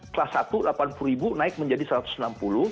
kelas satu rp delapan puluh ribu naik menjadi rp satu ratus enam puluh